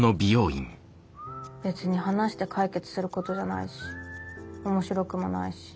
別に話して解決することじゃないし面白くもないし。